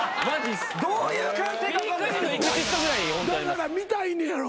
だから見たいんやろ。